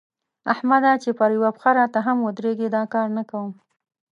احمده! چې پر يوه پښه هم راته ودرېږي؛ دا کار نه کوم.